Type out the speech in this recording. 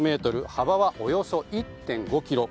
幅はおよそ１．５ｋｍ。